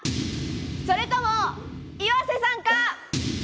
それとも岩瀬さんか。